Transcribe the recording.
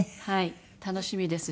楽しみですし。